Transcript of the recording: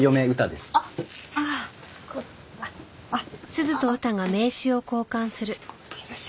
すいません。